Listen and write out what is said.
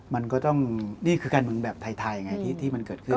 มันก็ต้องนี่คือการเมืองแบบไทยไงที่มันเกิดขึ้น